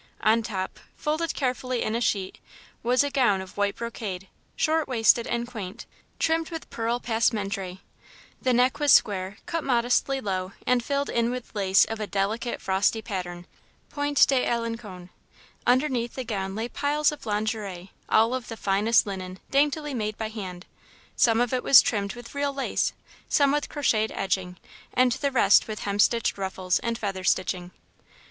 On top, folded carefully in a sheet, was a gown of white brocade, short waisted and quaint, trimmed with pearl passementerie. The neck was square, cut modestly low, and filled in with lace of a delicate, frosty pattern Point d'Alencon. Underneath the gown lay piles of lingerie, all of the finest linen, daintily made by hand. Some of it was trimmed with real lace, some with crocheted edging, and the rest with hemstitched ruffles and feather stitching.